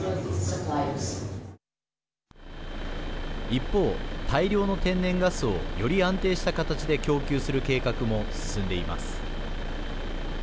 一方、大量の天然ガスをより安定した形で供給する計画も進んでいます。